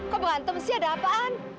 kok berantem sih ada apaan